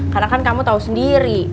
karena kan kamu tau sendiri